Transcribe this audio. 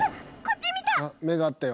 こっち見た！